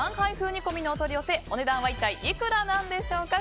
煮込みのお取り寄せお値段は一体いくらなんでしょうか。